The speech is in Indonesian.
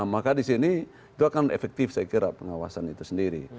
maka di sini itu akan efektif saya kira pengawasan itu sendiri